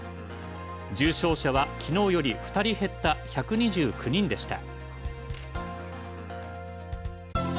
重症者は昨日より２人減った１２９人でした。